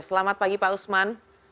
selamat pagi pak usman